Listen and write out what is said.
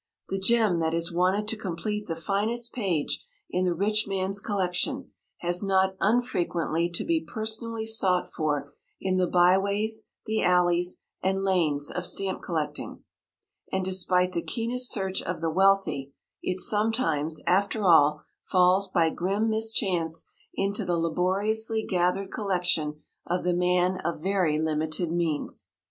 The gem that is wanted to complete the finest page in the rich man's collection has not unfrequently to be personally sought for in the byways, the alleys, and lanes of stamp collecting; and despite the keenest search of the wealthy, it sometimes, after all, falls by grim mischance into the laboriously gathered collection of the man of very limited means.